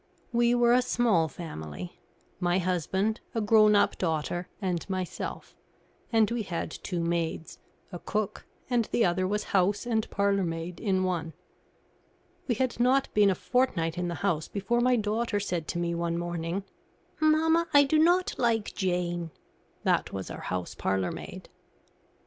We were a small family my husband, a grown up daughter, and myself; and we had two maids a cook, and the other was house and parlourmaid in one. We had not been a fortnight in the house before my daughter said to me one morning: "Mamma, I do not like Jane" that was our house parlourmaid.